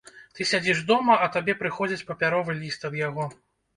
Ты сядзіш дома, а табе прыходзіць папяровы ліст ад яго.